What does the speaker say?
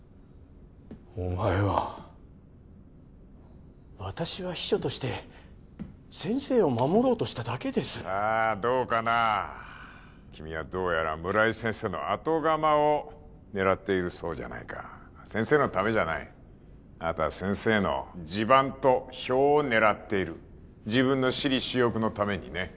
お前は私は秘書として先生を守ろうとしただけですさあどうかな君はどうやら村井先生の後釜を狙っているそうじゃないか先生のためじゃないあなたは先生の地盤と票を狙っている自分の私利私欲のためにね